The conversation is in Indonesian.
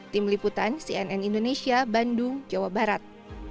tim liputan cnn indonesia bandung jawa barat